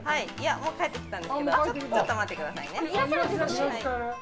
もう帰ってきたんですけどちょっと待ってくださいね。